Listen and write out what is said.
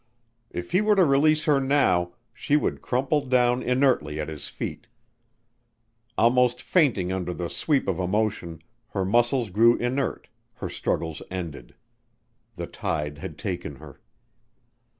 If he were to release her now she would crumple down inertly at his feet. Almost fainting under the sweep of emotion, her muscles grew inert, her struggles ended. The tide had taken her.